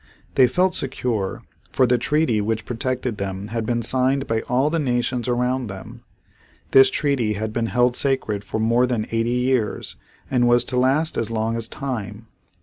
They felt secure, for the treaty which protected them had been signed by all the nations around them. This treaty had been held sacred for more than eighty years and was to last as long as time.